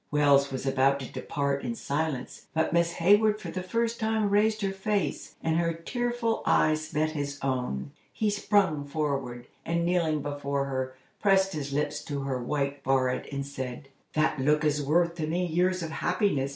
Wells was about to depart in silence, but Miss Hayward for the first time raised her face, and her tearful eyes met his own. He sprung forward, and kneeling before her, pressed his lips to her white forehead, and said: "That look is worth to me years of happiness.